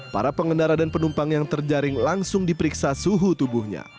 para pengendara dan penumpang yang terjaring langsung diperiksa suhu tubuhnya